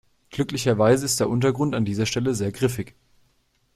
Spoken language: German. Glücklicherweise ist der Untergrund an dieser Stelle sehr griffig.